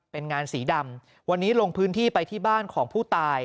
เป็นงานสีดำวันนี้ลงพื้นที่ไปที่บ้านของผู้ตาย